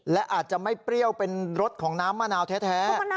และอาจจะไม่เปรี้ยวเป็นรสของน้ำมะนาวแท้